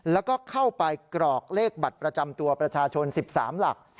แล้วก็เข้าไปกรอกเลขบัตรประจำตัวประชาชน๑๓หลัก